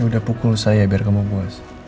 udah pukul saya biar kamu puas